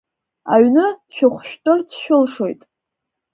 Аҩны дшәыхәшәтәырц шәылшоит.